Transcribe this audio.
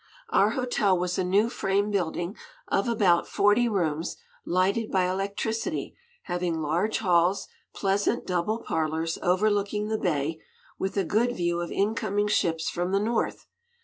Our hotel was a new frame building of about forty rooms, lighted by electricity, having large halls, pleasant double parlors overlooking the bay, with a good view of incoming ships from the north.